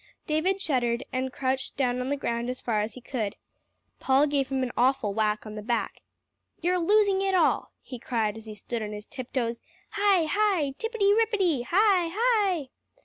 David shuddered, and crouched down on the ground as far as he could. Paul gave him an awful whack on the back. "You're losing it all," he cried as he stood on his tiptoes. "Hi! Hi! Tippety Rippety! Hi! Hi!"